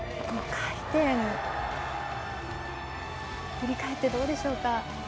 ５回転振り返ってどうでしょうか。